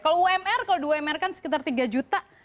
kalau umr kalau di umr kan sekitar tiga juta